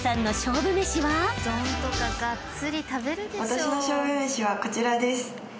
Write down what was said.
私の勝負めしはこちらです。